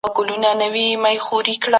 ستا په لاس کي چي وي روغه آيينه ده